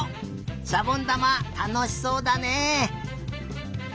しゃぼんだまたのしそうだね。